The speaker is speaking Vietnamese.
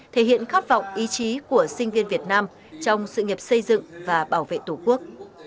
thể hiện khát vọng ý chí của sinh viên việt nam trong sự nghiệp xây dựng và bảo vệ tổ quốc